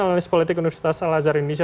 analis politik universitas al azhar indonesia